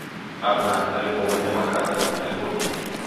Аднак альбо мы дэмакраты, альбо не.